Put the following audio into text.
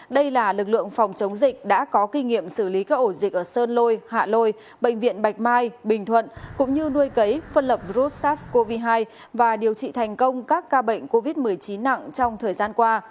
đây là lực lượng phòng chống dịch đã có kinh nghiệm xử lý các ổ dịch ở sơn lôi hạ lôi bệnh viện bạch mai bình thuận cũng như nuôi cấy phân lập virus sars cov hai và điều trị thành công các ca bệnh covid một mươi chín nặng trong thời gian qua